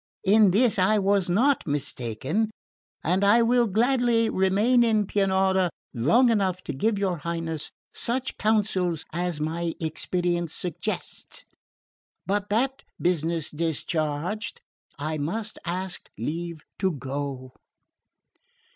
In this I was not mistaken; and I will gladly remain in Pianura long enough to give your Highness such counsels as my experience suggests; but that business discharged, I must ask leave to go."